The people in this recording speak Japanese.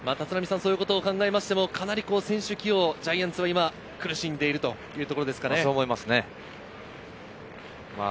そう考えると、かなり選手起用、ジャイアンツは苦しんでいるというところですかね。